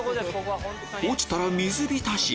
落ちたら水浸し！